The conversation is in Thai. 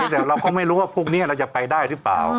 แต่เราก็ไม่รู้ว่าพวกนี้เราจะไปได้หรือเปล่า